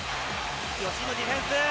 吉井のディフェンス。